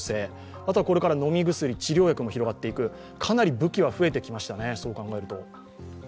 あとはこれから飲み薬、治療薬も広がっていく、かなり武器は増えてきましたね、そう考えると。